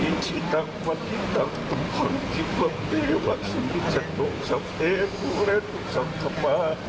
อิจิตังปัตติตังตุภัณฑ์จิมลับเตวะสุริจตุกศัพท์เตทุเรทุศัพท์ภา